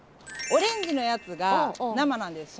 オレンジのやつが生なんです。